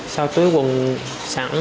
sau túi quần sẵn